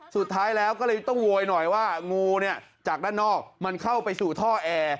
สุดท้ายแล้วก็เลยต้องโวยหน่อยว่างูเนี่ยจากด้านนอกมันเข้าไปสู่ท่อแอร์